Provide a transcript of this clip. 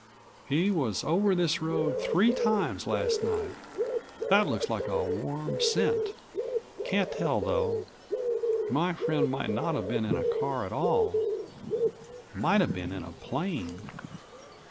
"He was over this road three times last night. That looks like a warm scent. Can't tell, though. My friend might not have been in a car at all; might have been in a plane.